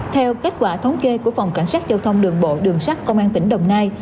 theo kết quả thống kê của phòng cảnh sát giao thông đường bộ đường sát công an tỉnh đồng nai